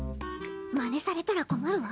まねされたら困るわ。